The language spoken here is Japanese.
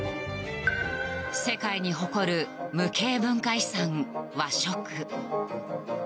世界に誇る無形文化遺産和食。